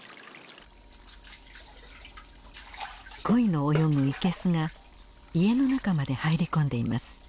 コイの泳ぐ生けすが家の中まで入り込んでいます。